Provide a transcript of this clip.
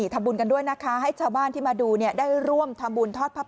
ทำบุญกันด้วยนะคะให้ชาวบ้านที่มาดูเนี่ยได้ร่วมทำบุญทอดพระ